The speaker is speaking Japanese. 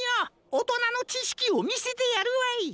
おとなのちしきをみせてやるわい。